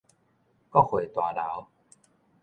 國會大樓